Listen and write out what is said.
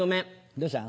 どうしたん？